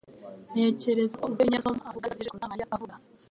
Ntekereza ko urwenya Tom avuga rusekeje kuruta Mariya avuga.